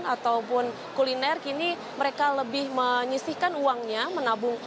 ataupun kuliner kini mereka lebih menyisihkan uangnya menabung